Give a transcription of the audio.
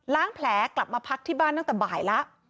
แผลกลับมาพักที่บ้านตั้งแต่บ่ายแล้ว